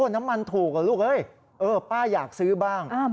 น้ำมันถูกละลูกป้าอยากซื้อบ้าง